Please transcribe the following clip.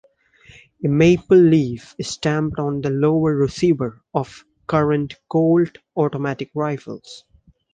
A maple leaf is stamped on the lower receiver of current Colt Automatic Rifles.